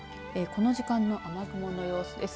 この時間の雨雲の様子です。